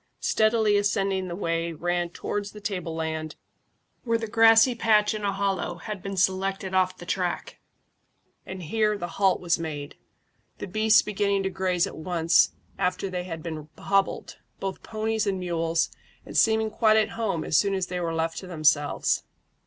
Steadily ascending the way ran up towards the tableland, where the grassy patch in a hollow had been selected off the track, and here the halt was made, the beasts beginning to graze at once after they had been hobbled, both ponies and mules, and seeming quite at home as soon as they were left to themselves.